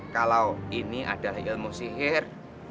kalau ini adalah ilmu sihir